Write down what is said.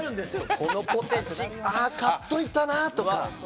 このポテチああ、買っといたなとか。